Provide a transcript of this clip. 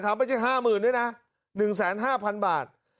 ไม่ใช่๕๐๐๐ด้วยนะ๑๕๐๐๐บาท